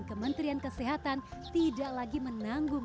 kementerian kesehatan tidak lagi menanggung